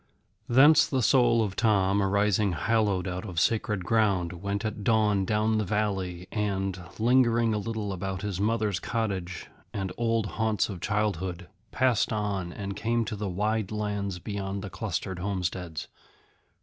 Thence the soul of Tom, arising hallowed out of sacred ground, went at dawn down the valley, and, lingering a little about his mother's cottage and old haunts of childhood, passed on and came to the wide lands beyond the clustered homesteads.